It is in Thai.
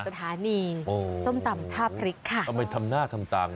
สถานีส้มตำท่าพริกค่ะทำไมทำหน้าทำตาม